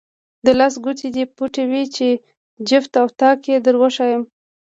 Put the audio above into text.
د لاس ګوتې دې پټوې چې جفت او طاق یې دروښایم.